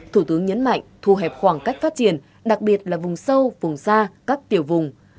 thủ tướng nhấn mạnh thu hẹp khoảng cách phát triển đặc biệt là vùng sâu vùng xa các tiểu vùng